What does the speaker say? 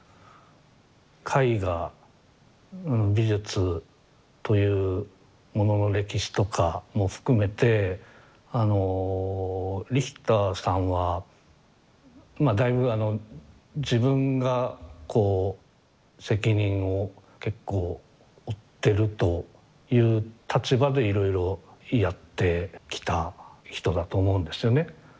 絵画美術というものの歴史とかも含めてリヒターさんはだいぶ自分がこう責任を結構負ってるという立場でいろいろやってきた人だと思うんですよね。